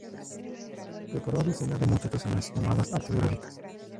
Preparó a docenas de muchachos en las llamadas artes gráficas.